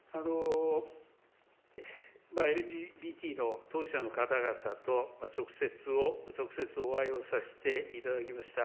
ＬＧＢＴの当事者の方々と直接お会いをさせていただきました。